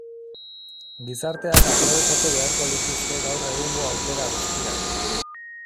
Gizarteak aprobetxatu beharko lituzke gaur egungo aukera guztiak.